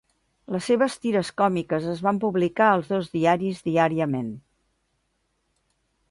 Les seves tires còmiques es van publicar als dos diaris diàriament.